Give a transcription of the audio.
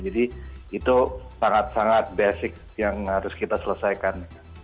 jadi itu sangat sangat dasar yang harus kita selesaikan